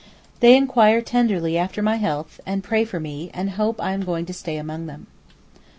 They inquire tenderly after my health, and pray for me, and hope I am going to stay among them.